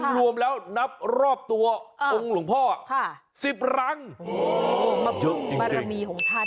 รวมแล้วนับรอบตัวองค์หลวงพ่อ๑๐รังเยอะจริง